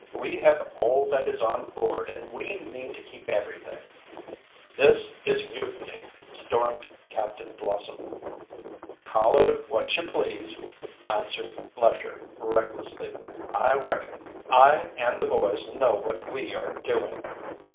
"We have all that is on board, and we mean to keep everything." "This is mutiny!" stormed Captain Blossom. "Call it what you please," answered Lesher recklessly. "I reckon I and the boys know what we are doing!"